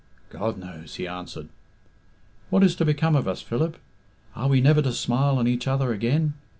"God knows," he answered. "What is to become of us, Philip? Are we never to smile on each other again?